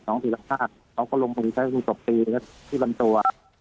หล่องปีหลังภาษาเค้าก็ลงบุรูปที่กลับปีก็ที่ลำตัว